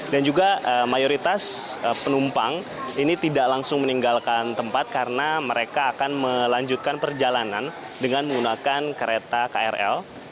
dan juga mayoritas penumpang ini tidak langsung meninggalkan tempat karena mereka akan melanjutkan perjalanan dengan menggunakan kereta krl